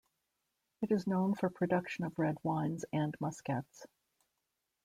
It is known for production of red wines and muscats.